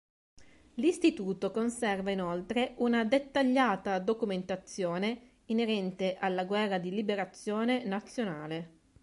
L'istituto conserva inoltre una dettagliata documentazione inerente alla guerra di Liberazione Nazionale.